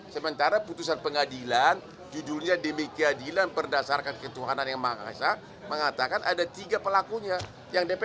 sementara putusan pengadilan judulnya demikian perdasarkan ketuhanan yang mengatakan ada tiga pelakunya yang dpo